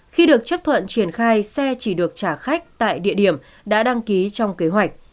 khi được chấp thuận triển khai xe chỉ được trả khách tại địa điểm đã đăng ký trong kế hoạch